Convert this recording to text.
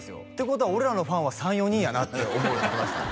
ことは俺らのファンは３４人やなって思うって言ってました